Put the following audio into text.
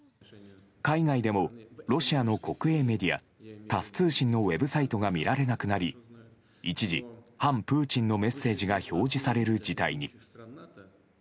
海外でも、ロシアの国営メディアタス通信のウェブサイトが見られなくなり一時、反プーチンのメッセージが表示される事態に。